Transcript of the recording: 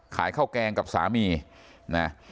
ขายเข้าแกงกับสามีนะ